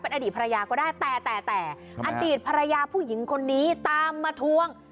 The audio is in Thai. อดีตภรรยาก็ได้แต่แต่อดีตภรรยาผู้หญิงคนนี้ตามมาทวง